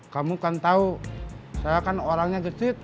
kamu kan tahu saya kan orangnya gesit